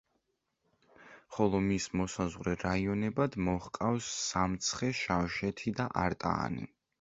ხოლო მის მოსაზღვრე რაიონებად მოჰყავს: სამცხე, შავშეთი და არტაანი.